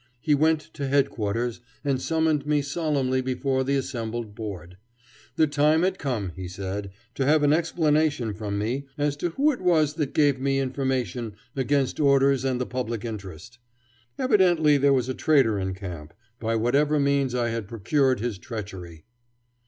He went to Headquarters and summoned me solemnly before the assembled Board. The time had come, he said, to have an explanation from me as to who it was that gave me information against orders and the public interest. Evidently there was a traitor in camp, by whatever means I had procured his treachery.